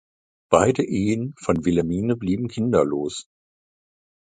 Beide Ehen von Wilhelmine blieben kinderlos.